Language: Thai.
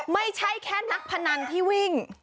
ไม่ใช่แค่นักพนันที่วิ่ง